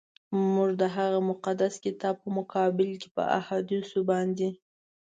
موږ د هغه مقدس کتاب په مقابل کي په احادیثو باندي.